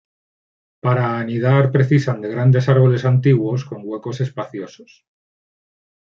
Para anidar precisan de grandes árboles antiguos con huecos espaciosos.